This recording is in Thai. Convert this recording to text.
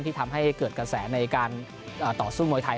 ที่ทำให้เกิดกระแสในการต่อสู้มวยไทย